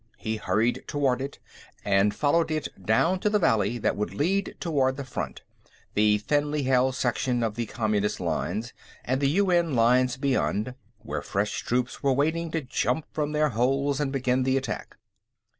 He hurried toward it and followed it down to the valley that would lead toward the front the thinly held section of the Communist lines, and the UN lines beyond, where fresh troops were waiting to jump from their holes and begin the attack.